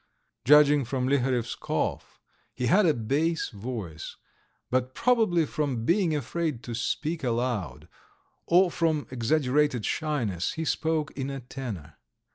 Judging from Liharev's cough he had a bass voice, but, probably from being afraid to speak aloud, or from exaggerated shyness, he spoke in a tenor.